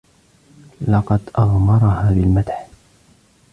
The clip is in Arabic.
لقد أغمرها بالمدح.